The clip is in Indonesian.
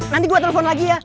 nanti gua telpon lagi ya